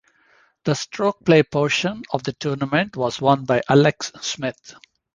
The stroke play portion of the tournament was won by Alex Smith.